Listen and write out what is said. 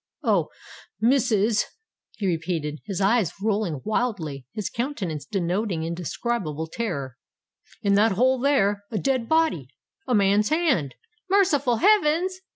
"Oh! missus," he repeated, his eyes rolling wildly, and his countenance denoting indescribable terror; "in that hole there—a dead body—a man's hand——" "Merciful heavens!"